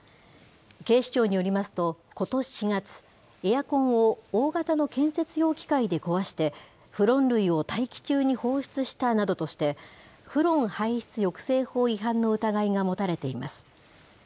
警視庁によりますと、ことし４月、エアコンを大型の建設用機械で壊して、フロン類を大気中に放出したなどとして、フロン排出抑制法違反の疑いが持たれています。